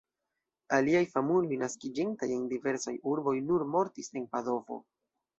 Aliaj famuloj, naskiĝintaj en diversaj urboj, nur mortis en Padovo.